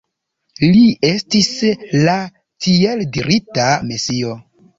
Li estis la tieldirita Mesio.